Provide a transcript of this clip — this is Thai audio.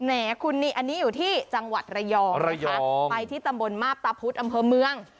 แหมคุณนี่อันนี้อยู่ที่จังหวัดระยองนะคะไปที่ตำบลมาบตาพุธอำเภอเมือง